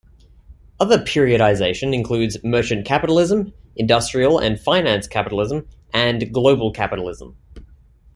Another periodization includes merchant capitalism, industrial and finance capitalism, and global capitalism.